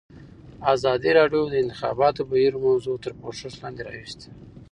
ازادي راډیو د د انتخاباتو بهیر موضوع تر پوښښ لاندې راوستې.